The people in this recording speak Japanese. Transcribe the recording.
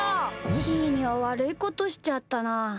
ひーにはわるいことしちゃったな。